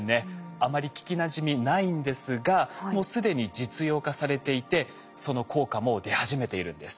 あまり聞きなじみないんですがもう既に実用化されていてその効果もう出始めているんです。